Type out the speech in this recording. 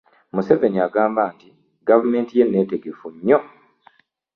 Museveni agamba nti gavumenti ye nneetegefu nnyo